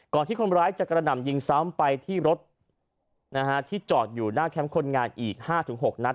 ที่คนร้ายจะกระหน่ำยิงซ้ำไปที่รถที่จอดอยู่หน้าแคมป์คนงานอีก๕๖นัด